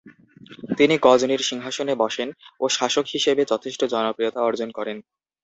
তিনি গজনির সিংহাসনে বসেন ও শাসক হিসেবে যথেষ্ট জনপ্রিয়তা অর্জন করেন।